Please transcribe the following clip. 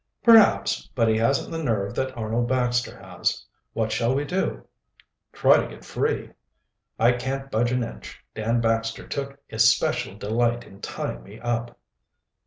"Perhaps, but he hasn't the nerve that Arnold Baxter has. What shall we do?" "Try to get free." "I can't budge an inch. Dan Baxter took especial delight in tying me up."